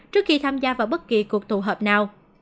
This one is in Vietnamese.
trước khi tham gia vào bất kỳ cuộc tụ hợp nào